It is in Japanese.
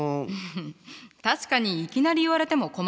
確かにいきなり言われても困るわよね。